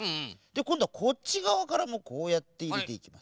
こんどはこっちがわからもこうやっていれていきます。